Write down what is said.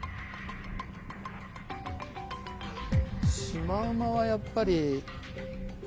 シマウマはやっぱり。